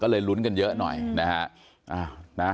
ก็เลยลุ้นกันเยอะหน่อยนะฮะ